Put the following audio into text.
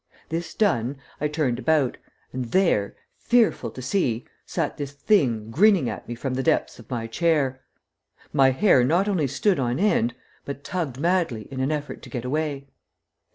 This done, I turned about, and there, fearful to see, sat this thing grinning at me from the depths of my chair. My hair not only stood on end, but tugged madly in an effort to get away.